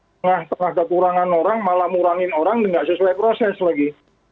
ya tengah tengah kekurangan orang malah murahin orang dan gak sesuai proses lagi